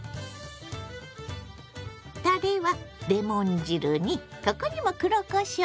たれはレモン汁にここにも黒こしょう！